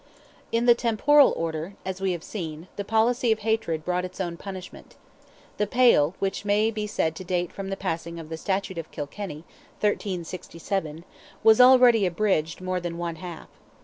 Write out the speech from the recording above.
In the temporal order, as we have seen, the policy of hatred brought its own punishment. "The Pale," which may be said to date from the passing of the Statute of Kilkenny (1367), was already abridged more than one half.